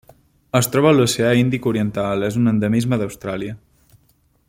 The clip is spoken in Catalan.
Es troba a l'Oceà Índic oriental: és un endemisme d'Austràlia.